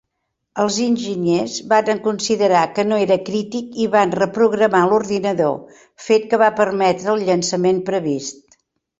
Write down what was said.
Els enginyers van considerar que no era crític i van reprogramar l'ordinador, fet que va permetre el llançament previst.